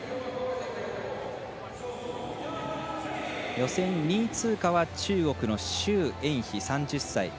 予選２位通過は中国の周艶菲、３０歳。